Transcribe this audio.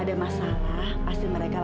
ada apa lagi dari pak hou